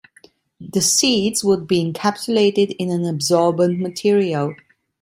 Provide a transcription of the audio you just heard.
The seeds would be encapsulated in an absorbent material.